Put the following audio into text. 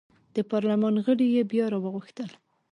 د پارلمان غړي یې بیا راوغوښتل.